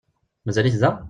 Mazal-it da?